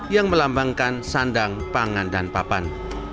yang melambangkan sandang pangan dan papan